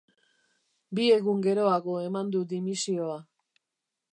Bi egun geroago eman du dimisioa.